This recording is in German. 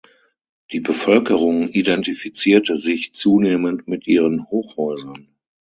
Die Bevölkerung identifizierte sich zunehmend mit ihren Hochhäusern.